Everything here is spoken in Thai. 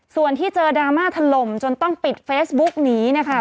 ส่วนที่เจอดราม่าถล่มจนต้องปิดเฟซบุ๊กหนีนะคะ